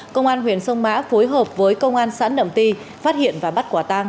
công an huyện sông mã phối hợp với công an sãn đậm ti phát hiện và bắt quả tang